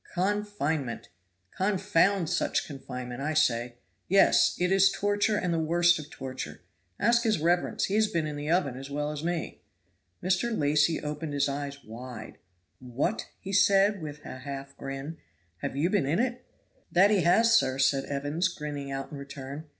"Con finement! con found such confinement, I say. Yes, it is torture and the worst of torture. Ask his reverence, he has been in the oven as well as me." Mr. Lacy opened his eyes wide. "What!" said he, with a half grin, "have you been in it?" "That he has, sir," said Evans, grinning out in return.